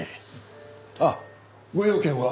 あっご用件は？